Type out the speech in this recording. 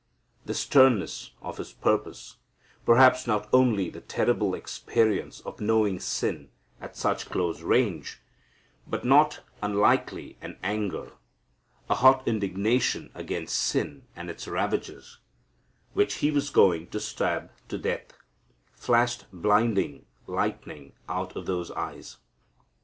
The sternness of His purpose, perhaps not only the terrible experience of knowing sin at such close range, but, not unlikely, an anger, a hot indignation against sin and its ravages, which He was going to stab to death, flashed blinding lightning out of those eyes.